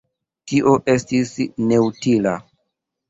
Tio estis neutila.